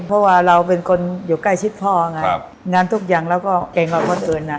เพราะว่าเราเป็นคนอยู่ใกล้ชิ้นพ่อนะงานทุกอย่างแล้วก็แก่งกว่ายอนคนื่น